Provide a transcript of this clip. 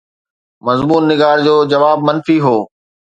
مضمون نگار جو جواب منفي هو.